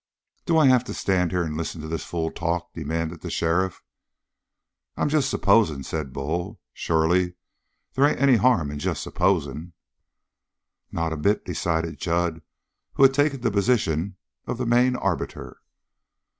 "Do I have to stand here and listen to this fool talk?" demanded the sheriff. "I'm just supposing," said Bull. "Surely they ain't any harm in just supposing?" "Not a bit," decided Jud, who had taken the position of main arbiter.